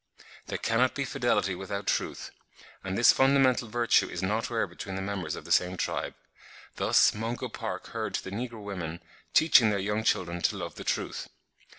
There cannot be fidelity without truth; and this fundamental virtue is not rare between the members of the same tribe: thus Mungo Park heard the negro women teaching their young children to love the truth.